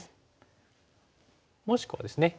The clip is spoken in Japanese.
もしくはですね